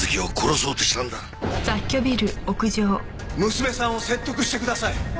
娘さんを説得してください。